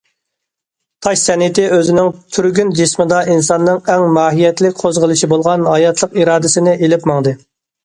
تاش سەنئىتى ئۆزىنىڭ تۈرگۈن جىسمىدا ئىنساننىڭ ئەڭ ماھىيەتلىك قوزغىلىشى بولغان ھاياتلىق ئىرادىسىنى ئېلىپ ماڭدى.